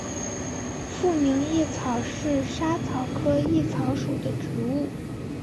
富宁薹草是莎草科薹草属的植物。